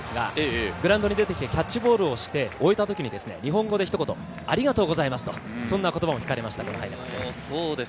グラウンドに出てきてキャッチボールをして終えたときに、日本語でひと言「ありがとうございます」という言葉が聞かれました。